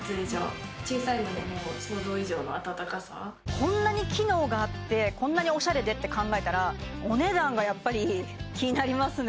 こんなに機能があってこんなにおしゃれでって考えたらお値段がやっぱり気になりますね